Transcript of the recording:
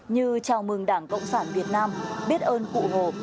như chào mừng đảng cộng sản việt nam biết ơn cụ hồ